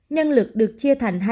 nhân lực được chia thành